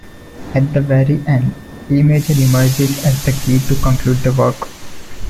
At the very end E major emerges as the key to conclude the work.